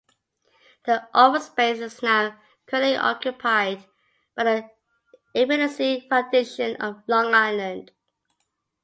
The office space is now currently occupied by the Epilepsy Foundation of Long Island.